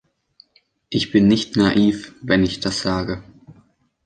Ich bin nicht naiv, wenn ich das sage.